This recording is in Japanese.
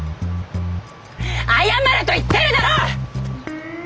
謝れと言ってるだろ！